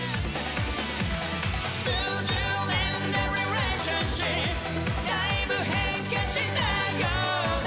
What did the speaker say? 「数十年で関係」「だいぶ変化したようだ」